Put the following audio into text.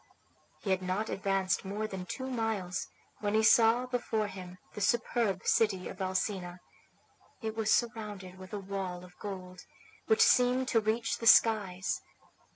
He had not advanced more than two miles when he saw before him the superb city of Alcina. It was surrounded with a wall of gold, which seemed to reach the skies.